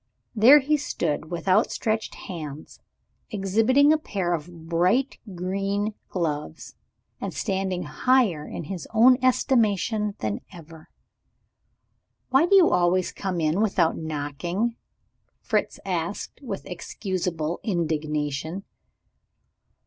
There he stood with outstretched hands, exhibiting a pair of bright green gloves, and standing higher in his own estimation than ever. "Why do you always come in without knocking?" Fritz asked, with excusable indignation.